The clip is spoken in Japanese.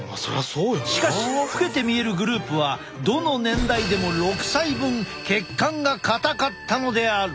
しかし老けて見えるグループはどの年代でも６歳分血管が硬かったのである！